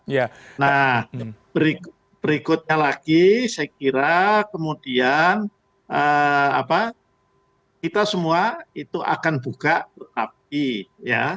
nah berikutnya lagi saya kira kemudian kita semua itu akan buka tetapi ya